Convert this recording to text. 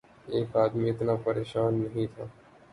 ایک آدمی اتنا پریشان نہیں تھا۔